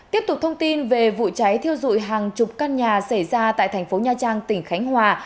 tiếp tục thông tin về vụ cháy thiêu dụi hàng chục căn nhà xảy ra tại thành phố nha trang tỉnh khánh hòa